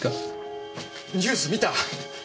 ニュース見た？